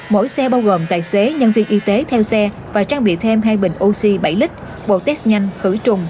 mỗi xe bao gồm tài xế nhân viên y tế theo xe và trang bị thêm hai bình oxy bảy lít bộ test nhanh khử trùng